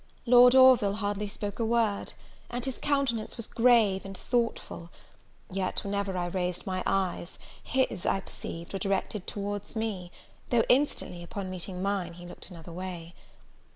Lord Orville hardly spoke a word, and his countenance was grave and thoughtful; yet, whenever I raised my eyes, his, I perceived, were directed towards me, though instantly, upon meeting mine, he looked another way.